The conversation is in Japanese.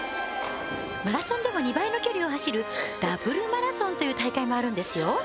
マラソンでも２倍の距離を走るダブルマラソンという大会もあるんですよ